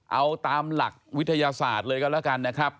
เอาตามหลักวิทยาศาสตร์เลยก็แล้วกันนะครับ